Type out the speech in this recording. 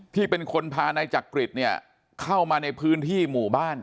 ที่เป็นคนพานายจักริตเนี่ยเข้ามาในพื้นที่หมู่บ้าน